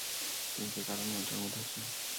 তুমি কি কারো নিয়ন্ত্রণের মধ্যে আছো?